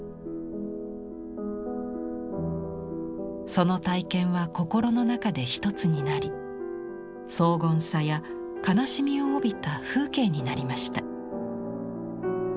その体験は心の中で一つになり荘厳さや哀しみを帯びた風景になりました。